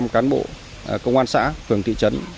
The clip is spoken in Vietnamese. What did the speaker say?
một trăm linh cán bộ công an xã phường thị trấn